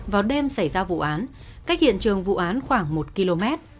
vào đêm xảy ra vụ án cách hiện trường vụ án khoảng một km